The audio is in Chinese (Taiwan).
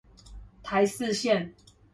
台四線